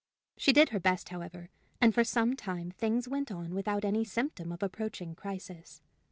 She did her best, however; and for some time things went on without any symptom of approaching crisis.